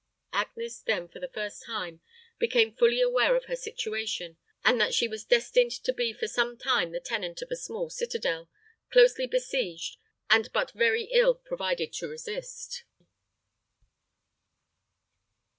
Agnes then, for the first time, became fully aware of her situation, and that she was destined to be for some time the tenant of a small citadel, closely besieged, and but very ill provided to resist.